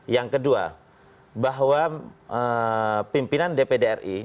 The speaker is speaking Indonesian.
yang kedua bahwa pimpinan dpd ri